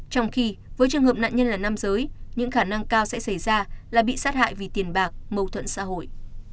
trong khi với trường hợp nạn nhân là nam giới những khả năng cao sẽ xảy ra là bị sát hại vì tiền bạc mâu thuẫn xã hội